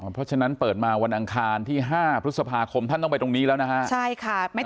เพราะฉะนั้นเปิดมาวันอังคารที่๕พฤษภาคมท่านต้องไปตรงนี้แล้วนะฮะ